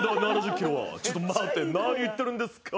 ちょっと待って何言ってるんですか？